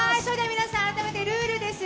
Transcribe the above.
皆さん、改めてルールです。